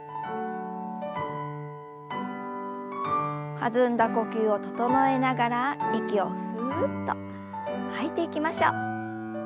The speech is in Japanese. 弾んだ呼吸を整えながら息をふっと吐いていきましょう。